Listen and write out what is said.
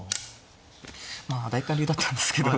まあ第一感竜だったんですけど。